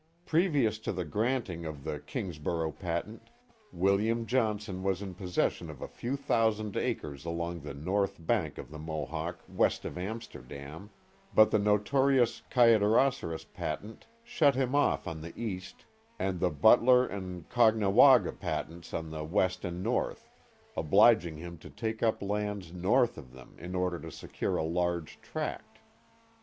Previous to the granting of the Kingsborough patent, Wil liam Johnson was in possession of a few thousand acres along the north bank of the Mohawk west of Amsterdam, but the notorious Kayaderosseras patent shut him off on the east and the Butler and Caughnawaga patents on the west and north. obliging him to take up lands north of them in order to secure a large tract.